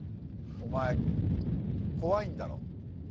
お前怖いんだろ。